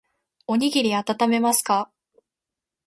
おにぎりあたためますか